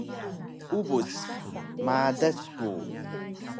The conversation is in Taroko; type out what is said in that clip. Ubus: Madas ku